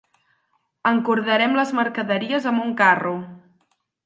Encordarem les mercaderies amb un carro.